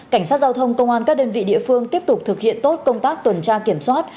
cảnh sát giao thông công an các đơn vị địa phương tiếp tục thực hiện tốt công tác tuần tra kiểm soát